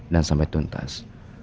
dan sampai tuntas